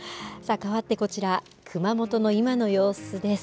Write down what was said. かわってこちら熊本の今の様子です。